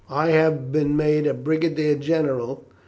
I have been made a brigadier general.